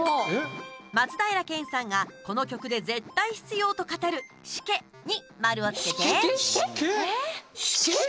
松平健さんがこの曲で絶対必要と語るシケに丸をつけて。